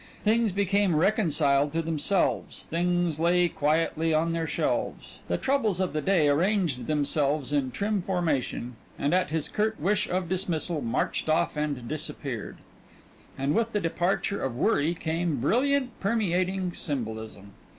Things became reconciled to themselves, things lay quietly on their shelves; the troubles of the day arranged themselves in trim formation and at his curt wish of dismissal, marched off and disappeared. And with the departure of worry came brilliant, permeating symbolism.